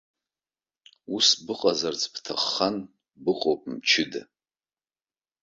Ус быҟазарц бҭаххан, быҟоуп мчыда.